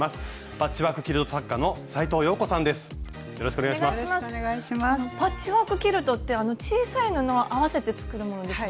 パッチワーク・キルトってあの小さい布を合わせて作るものですよね。